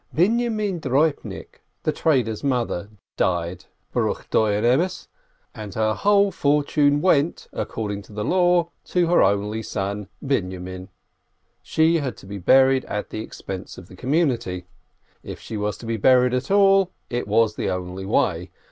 Binyomin Droibnik the trader's mother died (blessed be the righteous Judge !), and her whole fortune went, according to the Law, to her only son Binyomin. She had to be buried at the expense of the community. If she was to be buried at all, it was the only way.